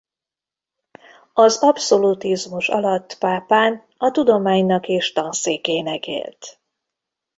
Az abszolutizmus alatt Pápán a tudománynak és tanszékének élt.